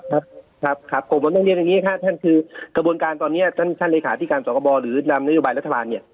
ครับครับผมผมต้องเรียนอย่างนี้ครับท่านคือกระบวนการตอนนี้ท่านท่านเลขาธิการสกบหรือนำนโยบายรัฐบาลเนี่ย